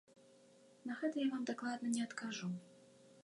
На гэта я вам дакладна не адкажу.